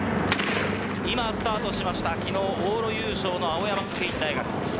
今スタートしました昨日往路優勝の青山学院大学。